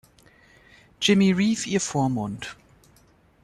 Jimmy Reeve ihr Vormund.